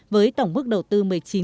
với tổng mức đầu tư một mươi chín